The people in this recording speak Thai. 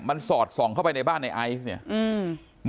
มันสอดส่องเข้าไปในบ้านในไอซ์เนี่ย